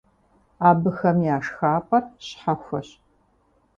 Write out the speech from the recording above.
Абыхэм я шхапӀэр щхьэхуэщ.